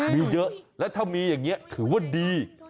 มีเยอะแล้วถ้ามีอย่างนี้ถือว่าดี